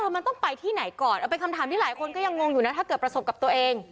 มันต้องไปที่ไหนก่อนเป็นคำถามที่หลายคนก็ยังงงอยู่นะถ้าเกิดประสบกับตัวเอง